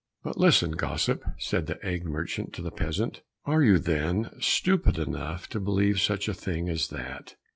"But listen, gossip," said the egg merchant to the peasant, "are you, then, stupid enough to believe such a thing as that?